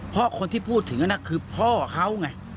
เพราะคนที่พูดถึงคือพ่อเขาไง